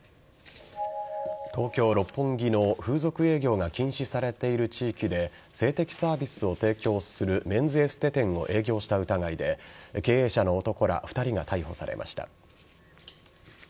東京・六本木の風俗営業が禁止されている地域で性的サービスを提供するメンズエステ店を営業した疑いで経営者の男ら２人が逮捕されました。